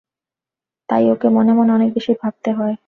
তাই ওকে মনে মনে অনেক বেশি ভাবতে হয়।